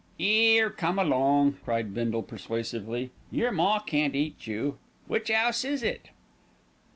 "'Ere, come along," cried Bindle persuasively. "Your ma can't eat you. Which 'ouse is it?"